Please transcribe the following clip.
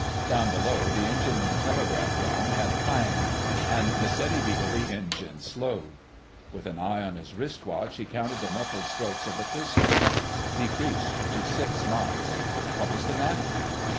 Down below, the Engine room telegraph gong had clanged, and the steady beat of the engines slowed. With an eye on his wrist watch he counted the muffled strokes of the piston.... Decreased to 6 knots. What was the matter?